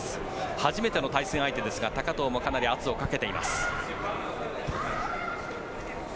初めての対戦相手ですが高藤も圧をかけています。